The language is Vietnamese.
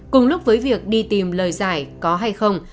cùng lúc với việc đi tìm lời giải có hay không